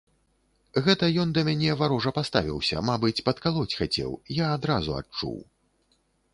Гэта ён да мяне варожа паставіўся, мабыць, падкалоць хацеў, я адразу адчуў.